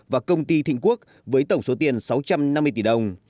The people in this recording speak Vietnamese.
và công ty thịnh quốc với tổng số tiền sáu trăm năm mươi tỷ đồng